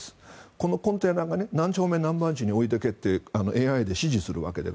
このコンテナが何丁目何番地に置いておけってＡＩで指示するわけです。